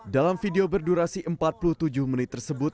dalam video berdurasi empat puluh tujuh menit tersebut